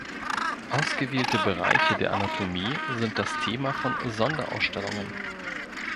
Ausgewählte Bereiche der Anatomie sind das Thema von Sonderausstellungen.